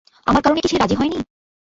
আমার কারণে কি সে রাজি হয়নি?